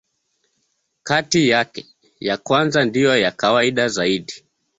Kati yake, ya kwanza ndiyo ya kawaida zaidi.